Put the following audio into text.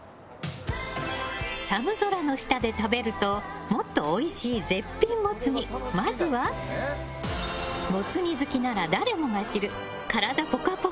寒空の下で食べるともっとおいしい絶品モツ煮まずは、モツ煮好きなら誰もが知る体ぽかぽか！